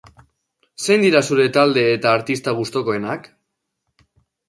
Zein dira zure talde eta artista gustukoenak?